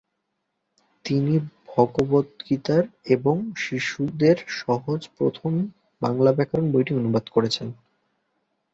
তিনি ভগবদ্গীতা এবং শিশুদের সহজ প্রথম ব্যাকরণ বইটি অনুবাদ করেছিলেন।